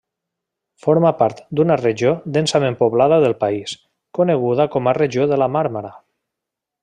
Forma part d'una regió densament poblada del país, coneguda com a Regió de la Màrmara.